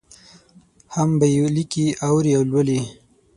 هم به یې لیکي، اوري او لولي.